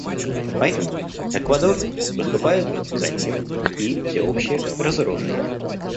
Поэтому Эквадор выступает за мир и всеобщее разоружение.